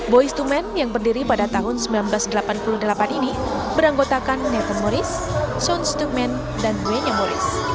boyz ii men yang berdiri pada tahun seribu sembilan ratus delapan puluh delapan ini beranggotakan nathan morris sean stukman dan wenya morris